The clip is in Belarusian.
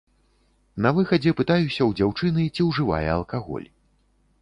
На выхадзе пытаюся ў дзяўчыны, ці ўжывае алкаголь.